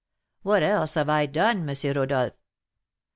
"What else have I done, M. Rodolph?"